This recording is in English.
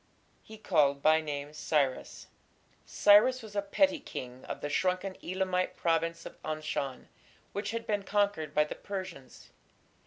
He called by name Cyrus." Cyrus was a petty king of the shrunken Elamite province of Anshan, which had been conquered by the Persians.